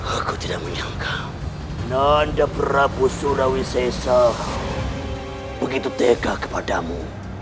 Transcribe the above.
aku tidak menyangka nanda prabu surawisesa begitu tega kepadamu